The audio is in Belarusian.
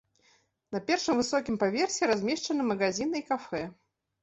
На першым высокім паверсе размешчаны магазіны і кафэ.